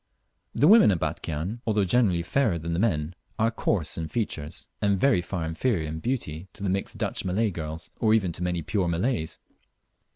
The women at Batchian, although generally fairer than the men, are coarse in features, and very far inferior in beauty to the mixed Dutch Malay girls, or even to many pure Malays.